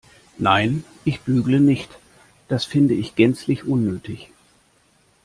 Nein, ich bügle nicht, das finde ich gänzlich unnötig.